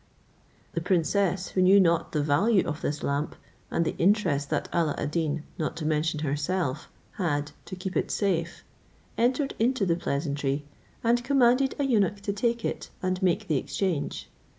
The princess, who knew not the value of this lamp, and the interest that Alla ad Deen, not to mention herself, had to keep it safe, entered into the pleasantry, and commanded a eunuch to take it, and make the exchange.